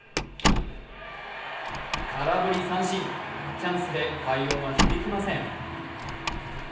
空振り三振、チャンスで快音は響きません。